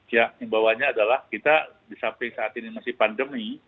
ya imbauannya adalah kita sampai saat ini masih pandemi